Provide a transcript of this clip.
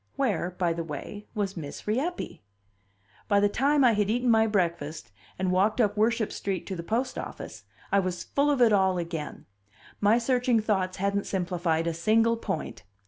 Where, by the way, was Miss Rieppe? By the time I had eaten my breakfast and walked up Worship Street to the post office I was full of it all again; my searching thoughts hadn't simplified a single point.